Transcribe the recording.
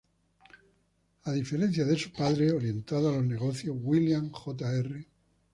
A diferencia de su padre orientado a los negocios, William Jr.